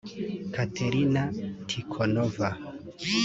Katerina Tikhonova